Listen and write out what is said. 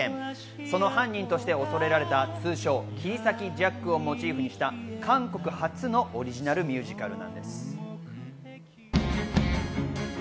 その犯人として恐れられた通称・切り裂きジャックをモチーフとした韓国初のオリジナルミュージカルなんです。